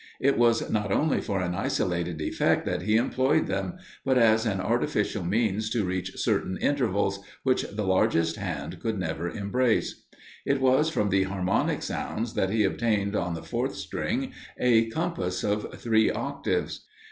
It was not only for an isolated effect that he employed them, but as an artificial means to reach certain intervals, which the largest hand could never embrace. It was from the harmonic sounds that he obtained on the fourth string a compass of three octaves.